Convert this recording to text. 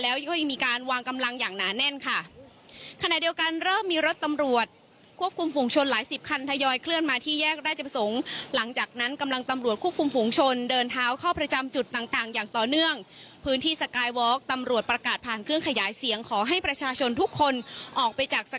แล้วก็ยังมีการวางกำลังอย่างหนาแน่นค่ะขณะเดียวกันเริ่มมีรถตำรวจควบคุมฝุงชนหลายสิบคันทยอยเคลื่อนมาที่แยกราชประสงค์หลังจากนั้นกำลังตำรวจควบคุมฝูงชนเดินเท้าเข้าประจำจุดต่างต่างอย่างต่อเนื่องพื้นที่สกายวอล์กตำรวจประกาศผ่านเครื่องขยายเสียงขอให้ประชาชนทุกคนออกไปจากส